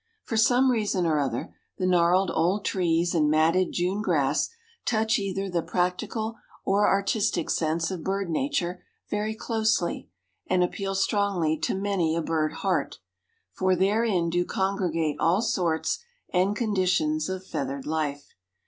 For some reason or other, the gnarled old trees and matted June grass touch either the practical or artistic sense of bird nature very closely, and appeal strongly to many a bird heart, for therein do congregate all sorts and conditions of feathered life.